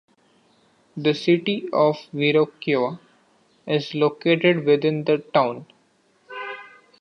The City of Viroqua is located within the town.